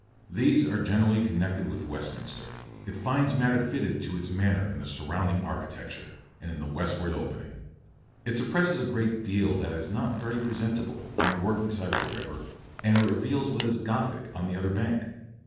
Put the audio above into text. These are generally connected with Westminster; it finds matter fitted to its manner in the surrounding architecture, and in the westward opening. It suppresses a great deal that is not very presentable, on the working side of the river, and it reveals what is Gothic on the other bank.